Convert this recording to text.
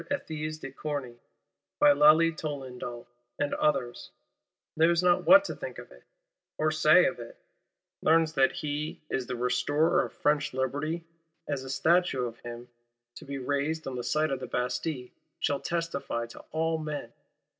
Ethys de Corny, by Lally Tollendal, and others; knows not what to think of it, or say of it; learns that he is "Restorer of French Liberty,"—as a Statue of him, to be raised on the site of the Bastille, shall testify to all men.